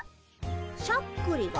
しゃっくりが？